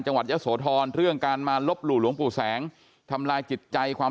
จังหวัดยะโสธรเรื่องการมาลบหลู่หลวงปู่แสงทำลายจิตใจความ